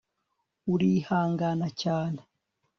urihangana cyane